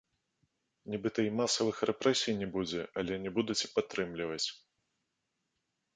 Нібыта і масавых рэпрэсій не будзе, але не будуць і падтрымліваць.